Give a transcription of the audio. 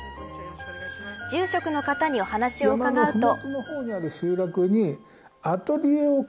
住職の方にお話を伺うと。